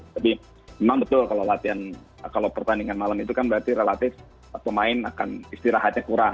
tapi memang betul kalau latihan kalau pertandingan malam itu kan berarti relatif pemain akan istirahatnya kurang